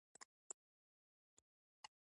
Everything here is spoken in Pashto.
ولې نه. ډېر ښه توبوګان کولای شې.